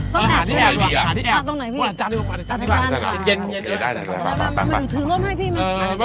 ไปต้องหาที่แอบดีหว่ะหาที่แอบต้องนั่งไหนกัน